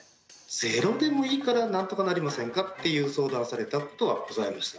ゼロでもいいからなんとかなりませんか？っていう相談されたことはございました。